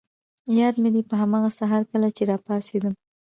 یاد مي دي، په هماغه سهار کله چي راپاڅېدم.